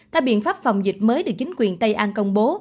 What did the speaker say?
theo biện pháp phòng dịch mới được chính quyền tây an công bố